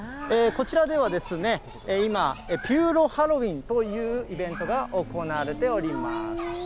こちらでは今、ピューロハロウィンというイベントが行われております。